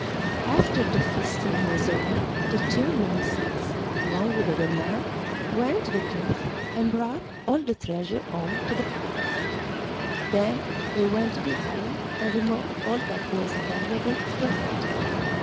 After the feasting was over the two namesakes, along with other men, went to the cliff and brought all the treasure home to the Palace. Then they went to the island and removed all that was valuable from it.